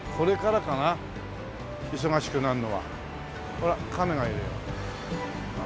ほら亀がいるよ。